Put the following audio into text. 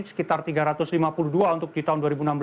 sekitar tiga ratus lima puluh dua untuk di tahun dua ribu enam belas